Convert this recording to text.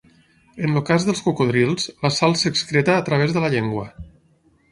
En el cas dels cocodrils, la sal s'excreta a través de la llengua.